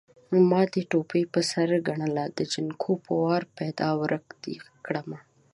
ما دې ټوپۍ په سر ګڼله د جنکو په وار پيدا ورکه دې کړمه